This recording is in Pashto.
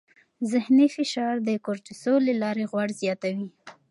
ذهني فشار د کورتیسول له لارې غوړ زیاتوي.